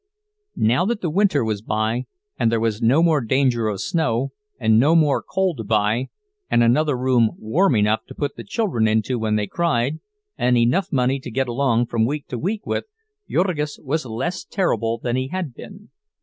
Now that the winter was by, and there was no more danger of snow, and no more coal to buy, and another room warm enough to put the children into when they cried, and enough money to get along from week to week with, Jurgis was less terrible than he had been.